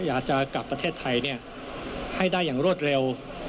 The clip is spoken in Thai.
อยากจะกลับประเทศไทยให้ได้อย่างรวดเร็ว